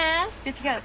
違う。